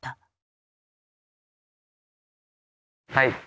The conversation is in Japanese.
はい。